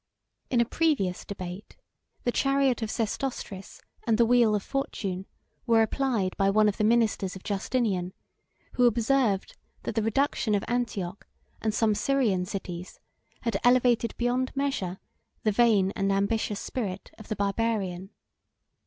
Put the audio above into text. In a previous debate, the chariot of Sesostris, and the wheel of fortune, were applied by one of the ministers of Justinian, who observed that the reduction of Antioch, and some Syrian cities, had elevated beyond measure the vain and ambitious spirit of the Barbarian.